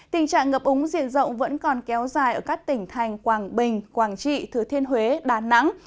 tình trạng ngập úng diện rộng vẫn còn kéo dài ở các tỉnh thành quảng bình quảng trị thứ thiên huế đà nẵng